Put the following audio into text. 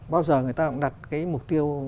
bao giờ người ta cũng đặt cái mục tiêu